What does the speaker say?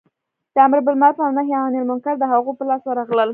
د امر بالمعروف او نهې عن المنکر د هغو په لاس ورغلل.